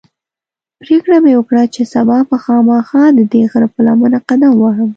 پرېکړه مې وکړه چې سبا به خامخا ددې غره پر لمنه قدم وهم.